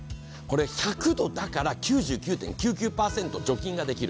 １００度だから９９．９９％除菌ができる。